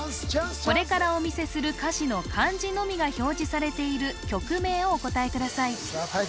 これからお見せする歌詞の漢字のみが表示されている曲名をお答えくださいさあ